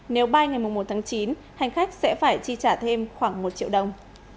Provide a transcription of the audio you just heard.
nếu bay ngày một tháng chín hành khách sẽ phải chi trả thêm khoảng một triệu đồng